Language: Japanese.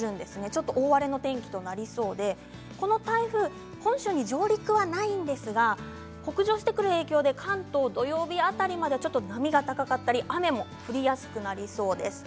ちょっと大荒れの天気となりそうでこの台風、本州に上陸はないんですが北上してくる影響で関東土曜日辺りはちょっと波が高かったり雨も降りやすくなりそうです。